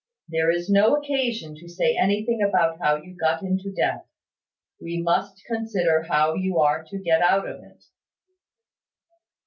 There is no occasion to say anything about how you got into debt. We must consider how you are to get out of it."